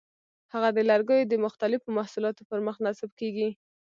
هغه د لرګیو د مختلفو محصولاتو پر مخ نصب کېږي.